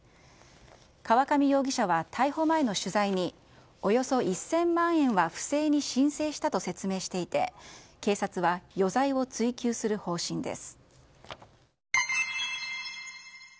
河上容疑者は逮捕前の取材におよそ１０００万円は不正に申請したと説明していて警察は余罪を追及する方針です。